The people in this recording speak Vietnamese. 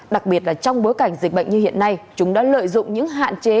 đặc biệt là trong bối cảnh dịch bệnh như hiện nay chúng đã lợi dụng những hạn chế